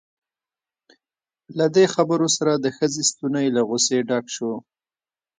له دې خبرو سره د ښځې ستونی له غصې ډک شو.